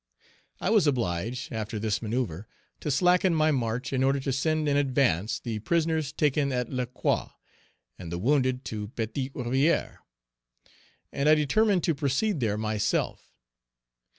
I was obliged, after Page 305 this manoeuvre, to slacken my march in order to send in advance the prisoners taken at La Croix, and the wounded to Petite Rivière; and I determined to proceed there myself.